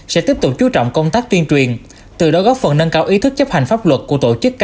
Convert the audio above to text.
sẽ tiếp tục chú trọng công tác tuyên truyền từ đó góp phần nâng cao ý thức chấp hành pháp luật